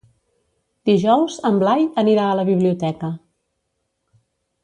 Dijous en Blai anirà a la biblioteca.